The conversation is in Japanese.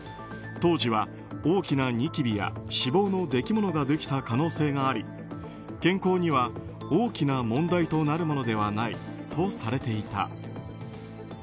当時は大きなニキビや脂肪のできものができた可能性があり健康には大きな問題となるものではないとされていた。